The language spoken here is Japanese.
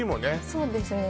そうですね